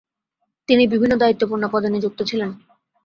তিনি বিভিন্ন দায়িত্বপূর্ণ পদে নিযুক্ত ছিলেন।